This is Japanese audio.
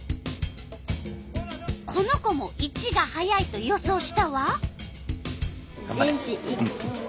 この子も①が速いと予想したわ。